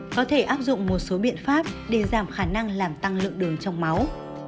có thể áp dụng một số biện pháp để giảm khả năng làm tăng lượng đường trong máu